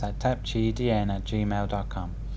at tạp chí dn gmail com